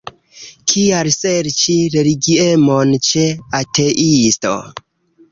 Kial serĉi religiemon ĉe ateisto?